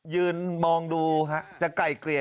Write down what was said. ยืนมองดูจะไกลเกลี่ย